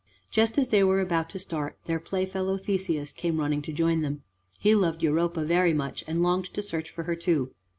Just as they were about to start, their playfellow Theseus came running to join them. He loved Europa very much, and longed to search for her too.